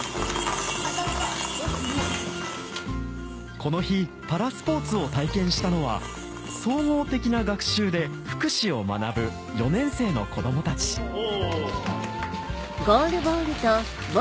この日パラスポーツを体験したのは総合的な学習で福祉を学ぶ４年生の子供たち・お！